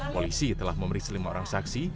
polisi telah memeriksa lima orang saksi